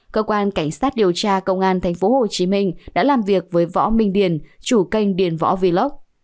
cơ quan cảnh sát điều tra công an tp hcm đã làm việc với võ minh điền chủ kênh điền võ vlog